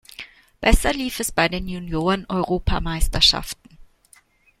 Besser lief es bei Junioren-Europameisterschaften.